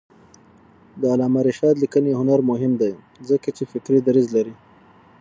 د علامه رشاد لیکنی هنر مهم دی ځکه چې فکري دریځ لري.